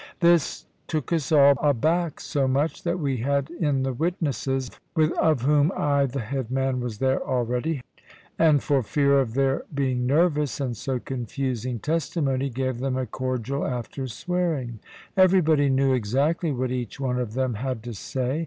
This took us all aback so much, that we had in the witnesses of whom I the head man was there already and for fear of their being nervous, and so confusing testimony, gave them a cordial after swearing. Everybody knew exactly what each one of them had to say.